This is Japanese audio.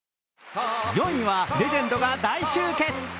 ４位はレジェンドが大集結。